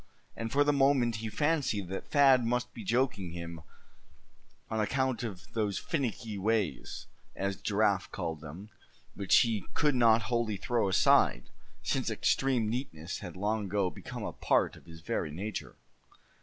And for the moment he fancied that Thad must be joking him on account of those "finicky" ways, as Giraffe called them, which he could not wholly throw aside, since extreme neatness had long ago become a part of his very nature.